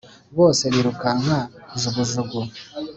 Bose birukanka jugujugu